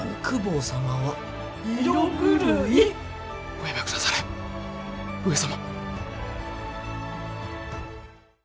おやめ下され上様。